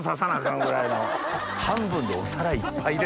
半分でお皿いっぱいです！